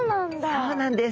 そうなんです。